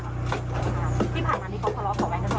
ที่ผ่านมาที่เขาทะเลาะกับแบงก์กันบ่อย